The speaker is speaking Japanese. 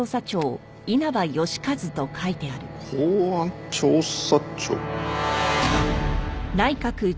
公安調査庁？